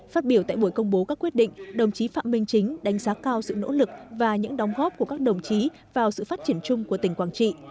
phát biểu tại buổi công bố các quyết định đồng chí phạm minh chính đánh giá cao sự nỗ lực và những đóng góp của các đồng chí vào sự phát triển chung của tỉnh quảng trị